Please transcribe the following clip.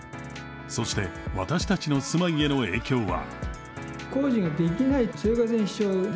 そして私たちの住まいへの影響は。